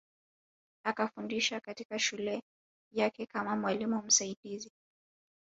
Akafundisha katika shule yake kama mwalimu msaidizi